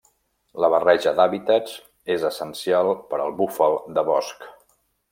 La barreja d'hàbitats és essencial per al búfal de bosc.